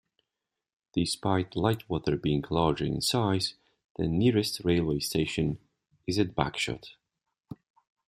Despite Lightwater being larger in size, the nearest railway station is at Bagshot.